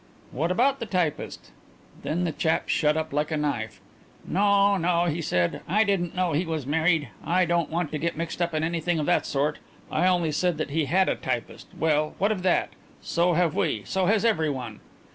'What about the typist?' Then the chap shut up like a knife. 'No, no,' he said, 'I didn't know he was married. I don't want to get mixed up in anything of that sort. I only said that he had a typist. Well, what of that? So have we; so has everyone.'